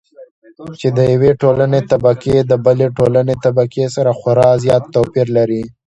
چې د يوې ټولنې طبقې د بلې ټولنې طبقې سره خورا زيات توپېر لري.